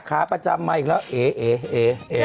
ขาประจำมาอีกแล้วเอ๋เอ